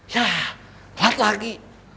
ya mati lagi